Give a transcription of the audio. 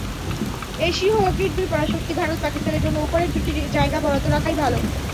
এশীয় হকির দুই পরাশক্তি ভারত-পাকিস্তানের জন্য ওপরের দুটি জায়গা বরাদ্দ রাখাই ভালো।